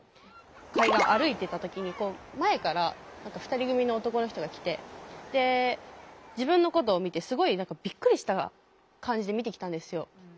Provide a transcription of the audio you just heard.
海岸を歩いてた時に前から２人組の男の人が来て自分のことを見てすごいびっくりした感じで見てきたんですよ。